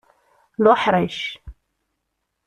D uḥṛic.